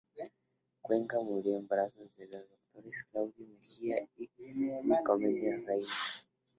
Cuenca murió en brazos de los doctores Claudio Mejía y Nicomedes Reynal.